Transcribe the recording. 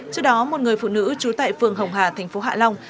trước đó một người phụ nữ trú tại phường hồng hà thành phố hạ long